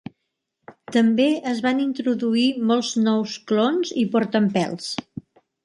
També es van introduir molts nous clons i portaempelts.